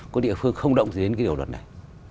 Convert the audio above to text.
có địa phương không động gì đến cái điều luật này